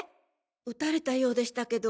撃たれたようでしたけど。